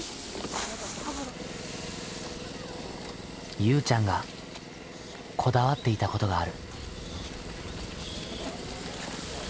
ゆうちゃんがこだわっていたことがある。